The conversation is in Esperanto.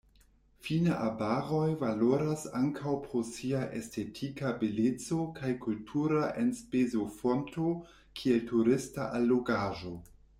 Fine arbaroj valoras ankaŭ pro sia estetika beleco kaj kultura enspezofonto kiel turista allogaĵo.